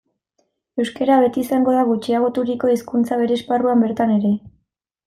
Euskara beti izango da gutxiagoturiko hizkuntza bere esparruan bertan ere.